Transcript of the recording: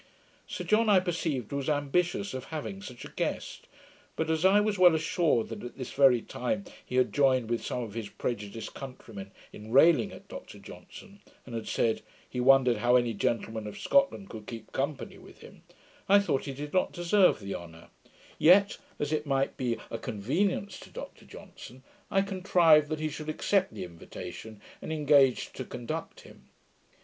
Sir John, I perceived, was ambitious of having such a guest; but, as I was well assured, that at this very time he had joined with some of his prejudiced countrymen in railing at Dr Johnson, and had said, he wondered how any gentleman of Scotland could keep company with him, I thought he did not deserve the honour: yet, as it might be a convenience to Dr Johnson, I contrived that he should accept the invitation, and engaged to conduct him.